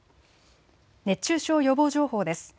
熱中症予防情報です。